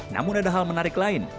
namun ada hal menarik lain